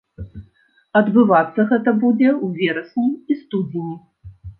Адбывацца гэта будзе ў верасні і студзені.